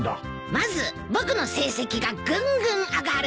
まず僕の成績がぐんぐん上がる。